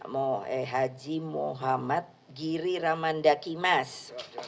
moh ehaji muhammad giri ramandakimas